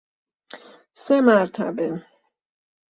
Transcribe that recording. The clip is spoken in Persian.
سه مرتبه